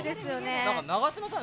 永島さん